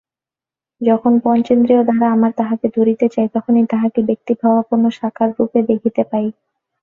যখন পঞ্চেন্দ্রিয় দ্বারা আমরা তাঁহাকে ধরিতে চাই, তখনই তাঁহাকে ব্যক্তিভাবাপন্ন সাকাররূপে দেখিতে পাই।